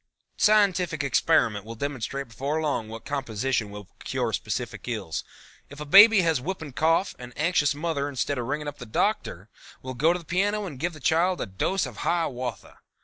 Scientific experiment will demonstrate before long what composition will cure specific ills. If a baby has whooping cough, an anxious mother, instead of ringing up the Doctor, will go to the piano and give the child a dose of Hiawatha.